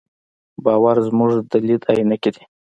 باور زموږ د لید عینکې دي.